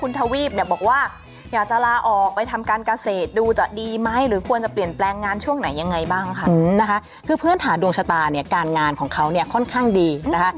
นอกเหนือจากเรื่องสุขภาพแล้วก็ทางเรื่องที่ทำงานอยู่เนี่ย